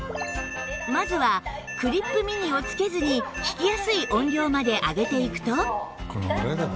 まずはクリップ・ミニをつけずに聞きやすい音量まで上げていくと